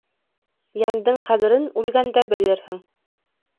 Йәндең ҡәҙерен үлгәндә белерһең.